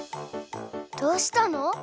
どうしたの？